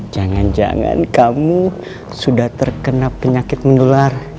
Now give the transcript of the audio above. jangan jangan kamu sudah terkena penyakit menular